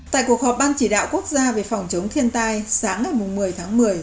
tại cuộc họp ban chỉ đạo quốc gia về phòng chống thiên tai sáng ngày một mươi tháng một mươi